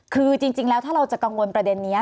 คือจริงแล้วถ้าเราจะกังวลประเด็นนี้